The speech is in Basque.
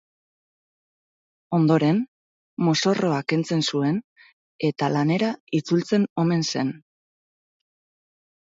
Ondoren, mozorroa kentzen zuen eta lanera itzultzen omen zen.